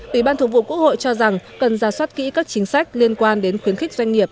ủy ban thường vụ quốc hội cho rằng cần ra soát kỹ các chính sách liên quan đến khuyến khích doanh nghiệp